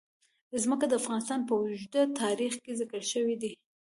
ځمکه د افغانستان په اوږده تاریخ کې ذکر شوی دی.